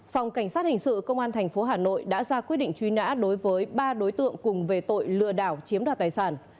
phòng cảnh sát hình sự công an tp hà nội đã ra quyết định truy nã đối với ba đối tượng cùng về tội lừa đảo chiếm đoạt tài sản